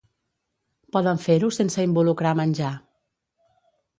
Poden fer-ho sense involucrar menjar.